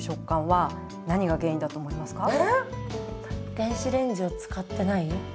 ⁉電子レンジを使ってない？